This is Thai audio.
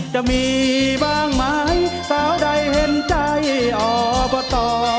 จะมีบางหมายเจ้าใดเห็นใจอบต่อ